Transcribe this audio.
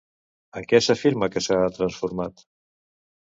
En què s'afirma que s'ha transformat?